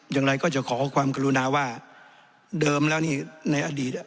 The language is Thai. อย่างไรก็จะขอความกรุณาว่าเดิมแล้วนี่ในอดีตอ่ะ